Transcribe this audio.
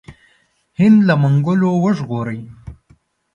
هند له منګولو وژغوري.